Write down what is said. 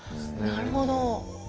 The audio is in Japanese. なるほど！